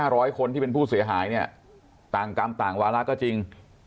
ร้อยคนที่เป็นผู้เสียหายเนี่ยต่างกรรมต่างวาระก็จริง